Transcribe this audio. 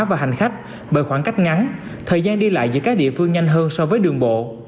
và hành khách bởi khoảng cách ngắn thời gian đi lại giữa các địa phương nhanh hơn so với đường bộ